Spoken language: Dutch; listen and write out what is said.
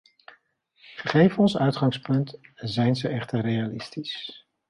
Gegeven ons uitgangspunt zijn ze echter realistisch.